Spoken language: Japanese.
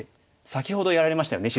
先ほどやられましたよね